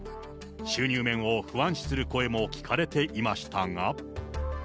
収入面を不安視する声も聞かれていましたが。